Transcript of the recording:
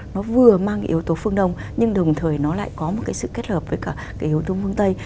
nó vừa mang cái yếu tố phương đông nhưng đồng thời nó lại có một cái sự kết hợp với cả cái yếu tố phương tây